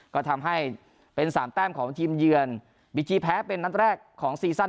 ก็ทำให้เป็นสามแต้มของทีมเยือนบีจีแพ้เป็นนัดแรกของซีซั่น